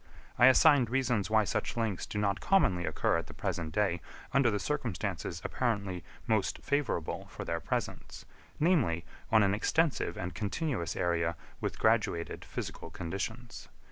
I assigned reasons why such links do not commonly occur at the present day under the circumstances apparently most favourable for their presence, namely, on an extensive and continuous area with graduated physical conditions.